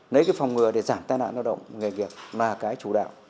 lấy cái phòng ngừa để giảm tai nạn lao động nghề nghiệp là cái chủ đạo